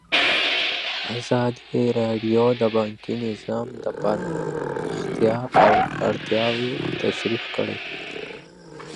ازادي راډیو د بانکي نظام د پراختیا اړتیاوې تشریح کړي.